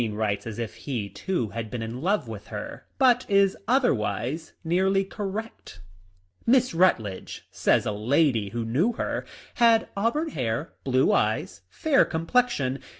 1 3 1 writes as if he too had been in love with her — but is otherwise nearly correct. " Miss Rutledge," says a lady * who knew her, " had auburn hair, blue eyes, fair complexion.